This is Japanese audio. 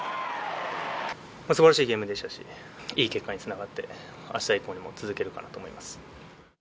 すばらしいゲームでしたし、いい結果につながって、あした以降にも続けるかなと思います。